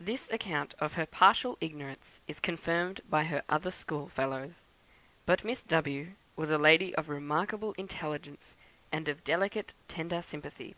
This account of her partial ignorance is confirmed by her other school fellows. But Miss W was a lady of remarkable intelligence and of delicate tender sympathy.